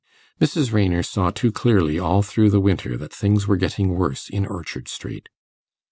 Mrs. Raynor saw too clearly all through the winter that things were getting worse in Orchard Street.